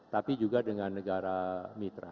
tapi juga dengan negara mitra